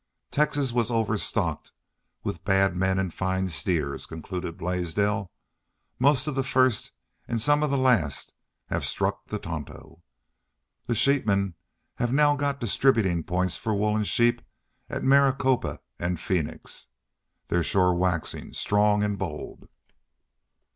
"Texas was overstocked with bad men an' fine steers," concluded Blaisdell. "Most of the first an' some of the last have struck the Tonto. The sheepmen have now got distributin' points for wool an' sheep at Maricopa an' Phoenix. They're shore waxin' strong an' bold."